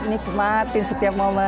nikmatkan setiap momen